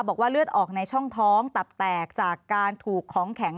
บอกว่าเลือดออกในช่องท้องตับแตกจากการถูกของแข็ง